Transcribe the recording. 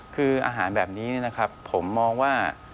คืออาหารแบบนี้นะครับผมมองว่า